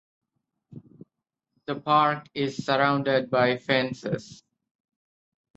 The park is surrounded by fences.